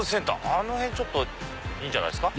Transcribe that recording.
あの辺いいんじゃないですか。